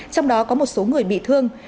trong đó có một số người bị bắt